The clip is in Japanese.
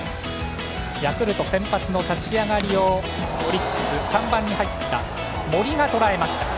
ヤクルト先発の立ち上がりをオリックス３番に入った森がとらえました。